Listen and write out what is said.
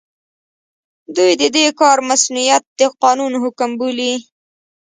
دوی د دې کار مصؤنيت د قانون حکم بولي.